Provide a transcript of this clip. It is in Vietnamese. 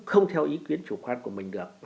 không theo ý kiến chủ quan của mình được